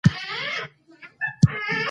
د افغانستان ټوله خاوره له مورغاب سیند ډکه ده.